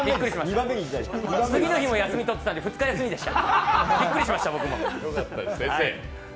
次の日も休みを取っていたので２日休みでした。